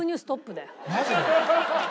マジで？